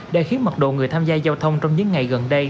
đã khiến mặt độ người tham gia giao thông trong những ngày gần đây